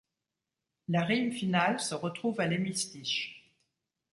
La rime finale se retrouve à l’hémistiche.